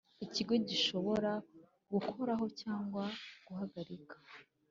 Ikigo gishobora gukuraho cyangwa guhagarika